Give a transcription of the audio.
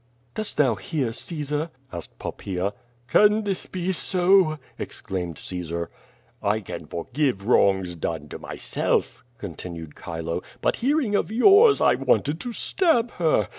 "Dost thou hear, Caesar?'' asked Poppaea. "Can this be so?" exclaimed Caesar. "I can forgive wrongs done to myself,'* continued Chile, 'Tbut hearing of yours, I wanted to stab her.